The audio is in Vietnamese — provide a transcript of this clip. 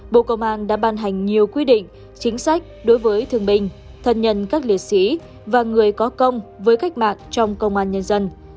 bộ công an đã ban hành nhiều quy định chính sách đối với thương binh thân nhân các liệt sĩ và người có công với cách mạng trong công an nhân dân